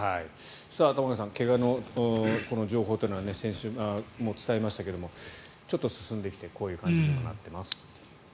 玉川さん怪我の情報というのは先週も伝えましたがちょっと進んでいるこういう感じになってます。